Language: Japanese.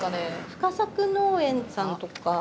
深作農園さんとか。